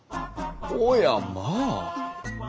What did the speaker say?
おやまあ。